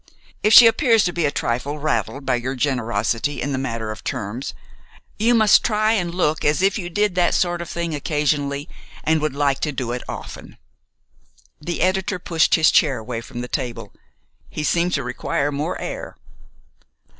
If she appears to be a trifle rattled by your generosity in the matter of terms, you must try and look as if you did that sort of thing occasionally and would like to do it often." The editor pushed his chair away from the table. He seemed to require more air.